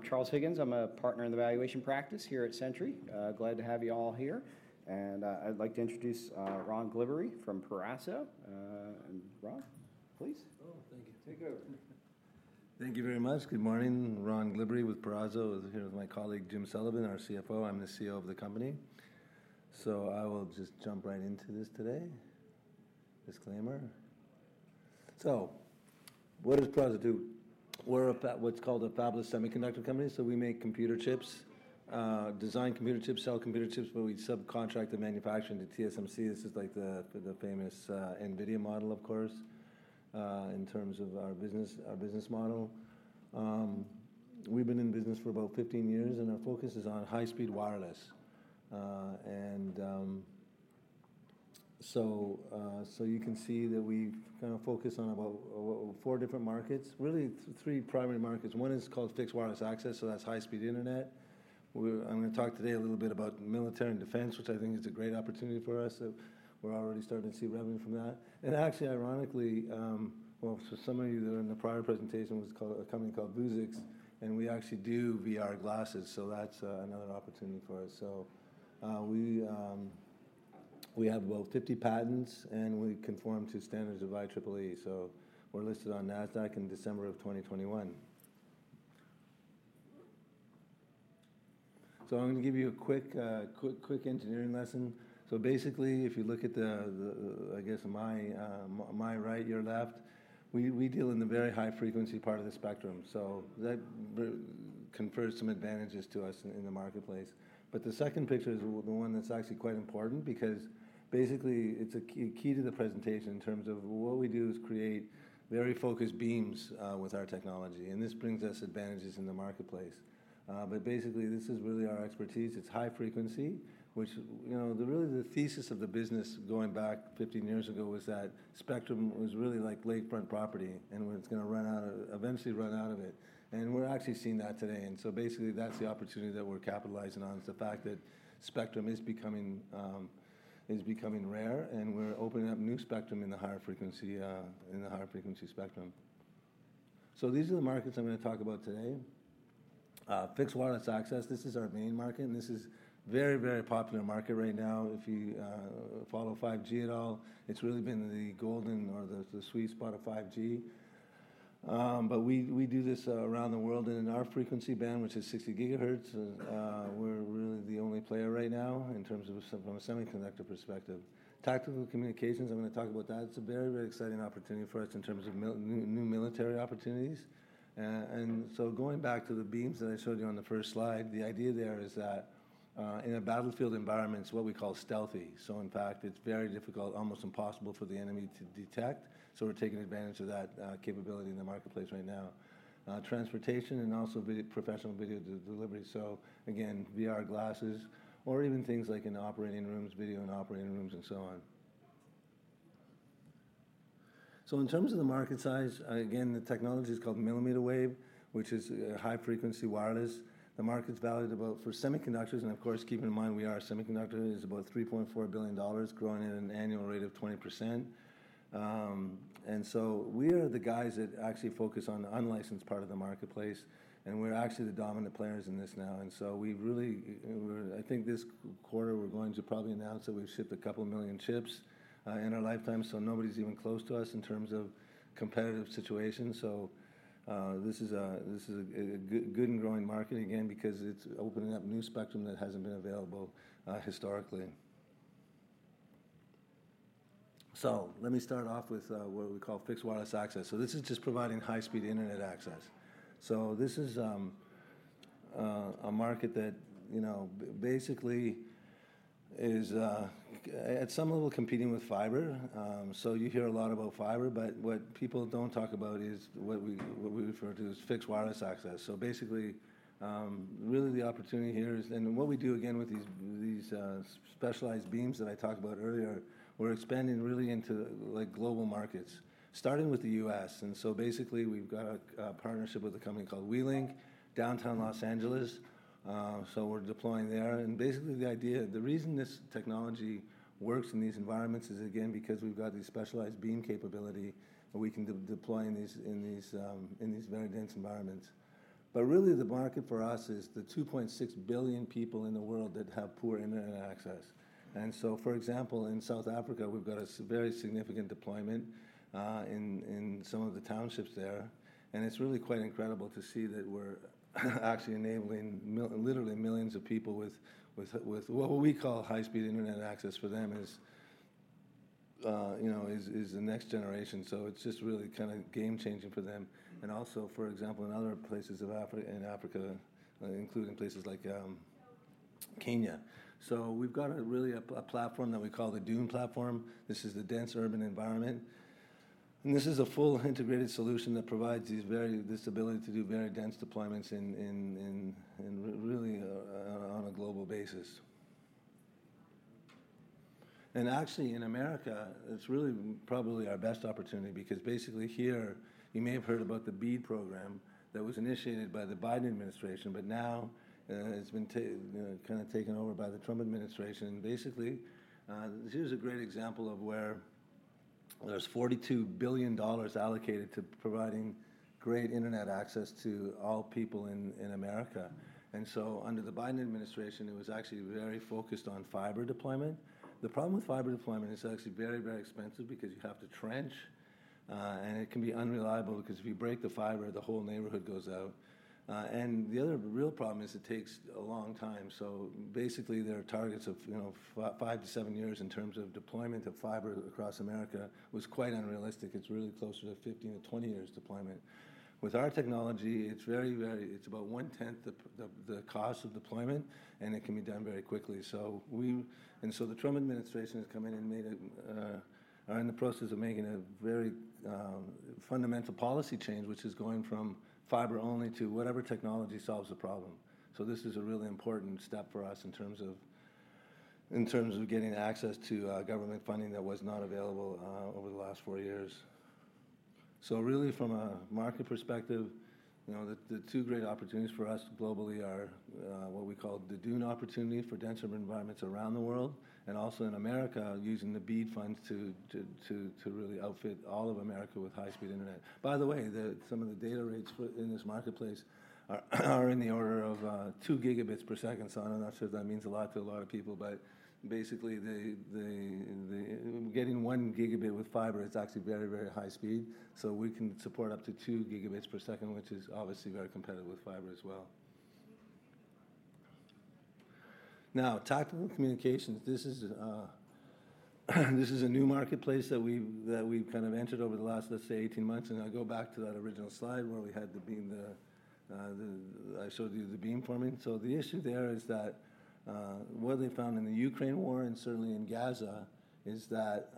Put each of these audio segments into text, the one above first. I'm Charles Higgins. I'm a partner in the valuation practice here at Sentry. Glad to have you all here. I'd like to introduce Ron Glibbery from Peraso. Ron, please. Oh, thank you. Take over. Thank you very much. Good morning. Ron Glibbery with Peraso. Here's my colleague Jim Sullivan, our CFO. I'm the CEO of the company. I will just jump right into this today. Disclaimer. What does Peraso do? We're what's called a fabless semiconductor company. We make computer chips, design computer chips, sell computer chips, but we subcontract the manufacturing to TSMC. This is like the famous NVIDIA model, of course, in terms of our business model. We've been in business for about 15 years, and our focus is on high-speed wireless. You can see that we've kind of focused on about four different markets, really three primary markets. One is called fixed wireless access, so that's high-speed internet. I'm going to talk today a little bit about military and defense, which I think is a great opportunity for us. We're already starting to see revenue from that. Actually, ironically, for some of you that are in the prior presentation, it was a company called Vuzix, and we actually do VR glasses. That's another opportunity for us. We have about 50 patents, and we conform to standards of IEEE. We're listed on NASDAQ in December 2021. I'm going to give you a quick engineering lesson. Basically, if you look at, I guess, my right, your left, we deal in the very high-frequency part of the spectrum. That confers some advantages to us in the marketplace. The second picture is the one that's actually quite important because basically it's a key to the presentation in terms of what we do is create very focused beams with our technology. This brings us advantages in the marketplace. Basically, this is really our expertise. It's high frequency, which really the thesis of the business going back 15 years ago was that spectrum was really like lakefront property and it's going to eventually run out of it. We're actually seeing that today. Basically, that's the opportunity that we're capitalizing on. It's the fact that spectrum is becoming rare, and we're opening up new spectrum in the higher frequency spectrum. These are the markets I'm going to talk about today. Fixed wireless access, this is our main market. This is a very, very popular market right now. If you follow 5G at all, it's really been the golden or the sweet spot of 5G. We do this around the world. In our frequency band, which is 60 GHz, we're really the only player right now in terms of from a semiconductor perspective. Tactical communications, I'm going to talk about that. It's a very, very exciting opportunity for us in terms of new military opportunities. Going back to the beams that I showed you on the first slide, the idea there is that in a battlefield environment, it's what we call stealthy. In fact, it's very difficult, almost impossible for the enemy to detect. We're taking advantage of that capability in the marketplace right now. Transportation and also professional video delivery. VR glasses or even things like in operating rooms, video in operating rooms and so on. In terms of the market size, the technology is called millimeter wave, which is high-frequency wireless. The market's valued about for semiconductors. Of course, keep in mind, we are a semiconductor. It is about $3.4 billion, growing at an annual rate of 20%. We are the guys that actually focus on the unlicensed part of the marketplace, and we're actually the dominant players in this now. We really, I think this quarter, we're going to probably announce that we've shipped a couple million chips in our lifetime. Nobody's even close to us in terms of competitive situation. This is a good and growing market again because it's opening up new spectrum that hasn't been available historically. Let me start off with what we call fixed wireless access. This is just providing high-speed internet access. This is a market that basically is at some level competing with fiber. You hear a lot about fiber, but what people don't talk about is what we refer to as fixed wireless access. Basically, really the opportunity here is, and what we do again with these specialized beams that I talked about earlier, we're expanding really into global markets, starting with the U.S. Basically we've got a partnership with a company called WeLink, downtown Los Angeles. We're deploying there. Basically the idea, the reason this technology works in these environments is again because we've got these specialized beam capability that we can deploy in these very dense environments. Really the market for us is the 2.6 billion people in the world that have poor internet access. For example, in South Africa, we've got a very significant deployment in some of the townships there. It's really quite incredible to see that we're actually enabling literally millions of people with what we call high-speed internet access. For them, it is the next generation. It is just really kind of game-changing for them. Also, for example, in other places in Africa, including places like Kenya. We have really a platform that we call the DUNE platform. This is the dense urban environment. This is a full integrated solution that provides this ability to do very dense deployments really on a global basis. Actually, in America, it is really probably our best opportunity because basically here, you may have heard about the BEAD program that was initiated by the Biden administration, but now it has been kind of taken over by the Trump administration. Basically, here is a great example of where there is $42 billion allocated to providing great internet access to all people in America. Under the Biden administration, it was actually very focused on fiber deployment. The problem with fiber deployment is it's actually very, very expensive because you have to trench, and it can be unreliable because if you break the fiber, the whole neighborhood goes out. The other real problem is it takes a long time. Basically there are targets of five to seven years in terms of deployment of fiber across America. It was quite unrealistic. It's really closer to 15 to 20 years deployment. With our technology, it's about one-tenth the cost of deployment, and it can be done very quickly. The Trump administration has come in and are in the process of making a very fundamental policy change, which is going from fiber only to whatever technology solves the problem. This is a really important step for us in terms of getting access to government funding that was not available over the last four years. Really from a market perspective, the two great opportunities for us globally are what we call the DUNE opportunity for denser environments around the world and also in America using the BEAD funds to really outfit all of America with high-speed internet. By the way, some of the data rates in this marketplace are in the order of 2 Gbps. I'm not sure if that means a lot to a lot of people, but basically getting 1 gigabit with fiber, it's actually very, very high speed. We can support up to 2 Gbps, which is obviously very competitive with fiber as well. Now, tactical communications, this is a new marketplace that we've kind of entered over the last, let's say, 18 months. I'll go back to that original slide where we had the beam. I showed you the beamforming. The issue there is that what they found in the Ukraine war and certainly in Gaza is that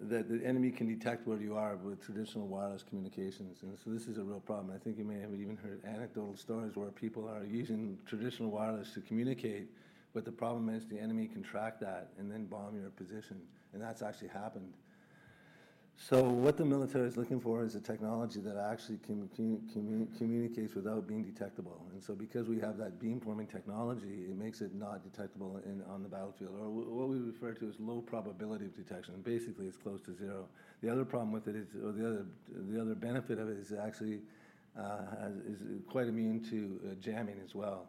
the enemy can detect where you are with traditional wireless communications. This is a real problem. I think you may have even heard anecdotal stories where people are using traditional wireless to communicate, but the problem is the enemy can track that and then bomb your position. That's actually happened. What the military is looking for is a technology that actually communicates without being detectable. Because we have that beamforming technology, it makes it not detectable on the battlefield or what we refer to as low probability of detection. Basically, it's close to zero. The other benefit of it is it actually is quite immune to jamming as well.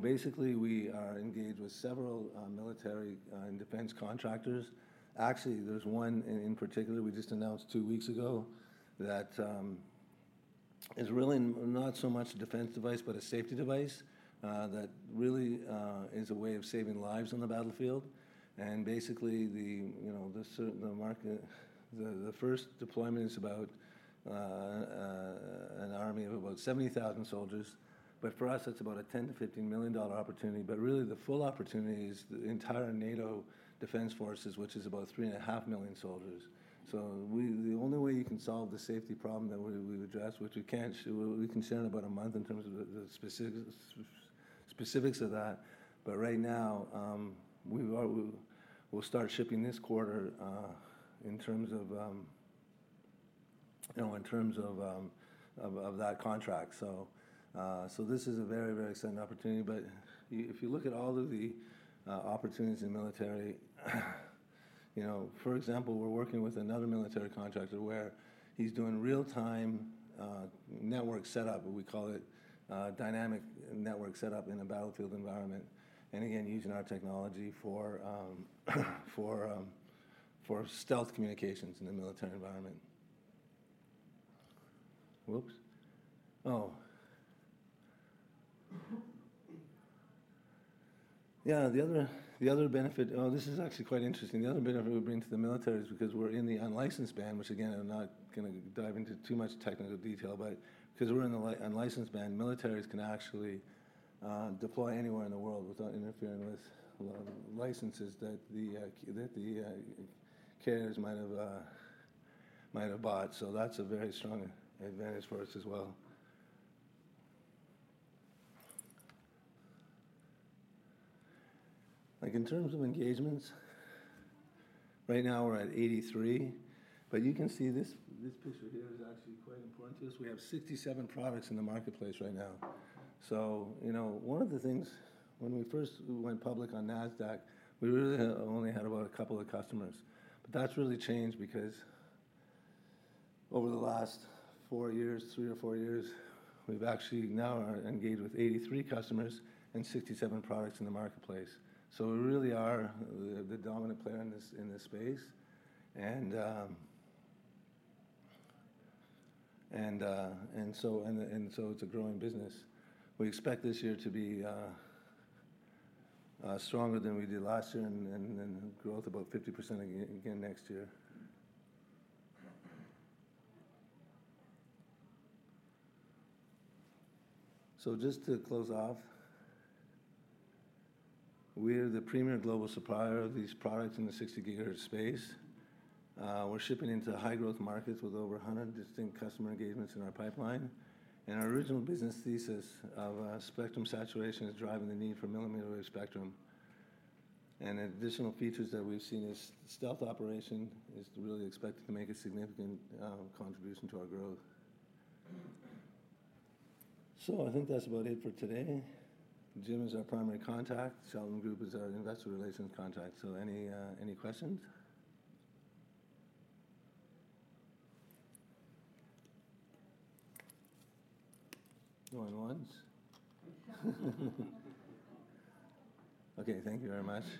Basically we are engaged with several military and defense contractors. Actually, there's one in particular we just announced two weeks ago that is really not so much a defense device, but a safety device that really is a way of saving lives on the battlefield. Basically the first deployment is about an army of about 70,000 soldiers. For us, that's about a $10-$15 million opportunity. Really the full opportunity is the entire NATO defense forces, which is about three and a half million soldiers. The only way you can solve the safety problem that we've addressed, which we can share in about a month in terms of the specifics of that. Right now we'll start shipping this quarter in terms of that contract. This is a very, very exciting opportunity. If you look at all of the opportunities in military, for example, we're working with another military contractor where he's doing real-time network setup, what we call it dynamic network setup in a battlefield environment. Again, using our technology for stealth communications in the military environment. Oh. Yeah, the other benefit, oh, this is actually quite interesting. The other benefit we bring to the military is because we're in the unlicensed band, which again, I'm not going to dive into too much technical detail, but because we're in the unlicensed band, militaries can actually deploy anywhere in the world without interfering with licenses that the carriers might have bought. That's a very strong advantage for us as well. Like in terms of engagements, right now we're at 83, but you can see this picture here is actually quite important to us. We have 67 products in the marketplace right now. One of the things when we first went public on NASDAQ, we really only had about a couple of customers. That has really changed because over the last four years, three or four years, we've actually now engaged with 83 customers and 67 products in the marketplace. We really are the dominant player in this space. It is a growing business. We expect this year to be stronger than we did last year and growth about 50% again next year. Just to close off, we are the premier global supplier of these products in the 60 GHz space. We're shipping into high-growth markets with over 100 distinct customer engagements in our pipeline. Our original business thesis of spectrum saturation is driving the need for millimeter wave spectrum. Additional features that we've seen is stealth operation is really expected to make a significant contribution to our growth. I think that's about it for today. Jim is our primary contact. Sheldon Group is our investor relations contact. Any questions? Going once. Okay, thank you very much.